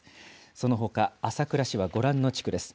そのほか朝倉市はご覧の地区です。